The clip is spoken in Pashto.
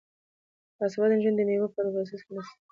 باسواده نجونې د میوو په پروسس کې مرسته کوي.